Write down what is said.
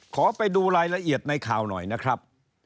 ขอไปดูรายละเอียดในข่าวหน่อยนะครับ